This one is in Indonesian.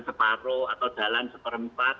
separuh atau jalan seperempat